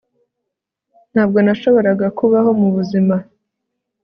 Ntabwo nashoboraga kubaho mubuzima